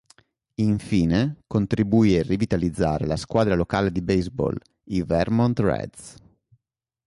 Infine, contribuì a rivitalizzare la squadra locale di baseball, i Vermont Reds.